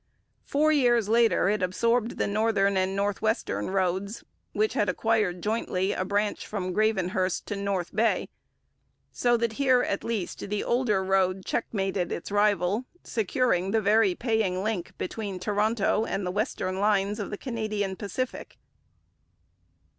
Four years later it absorbed the Northern and Northwestern roads, which had acquired jointly a branch from Gravenhurst to North Bay, so that here at least the older road checkmated its rival, securing the very paying link between Toronto and the western lines of the Canadian Pacific.